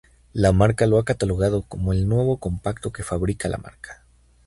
La marca lo ha catalogado cómo el nuevo compacto que fabrica la marca.